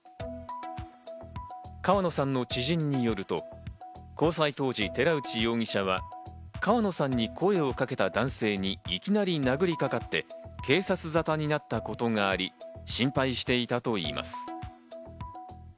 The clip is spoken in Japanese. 川野さんの知人によると、交際当時、寺内容疑者は川野さんに声をかけた男性にいきなり殴りかかって警察沙汰になったことがあり、心配していたといいます。